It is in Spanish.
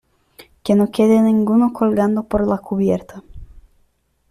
que no quede ninguno colgando por la cubierta.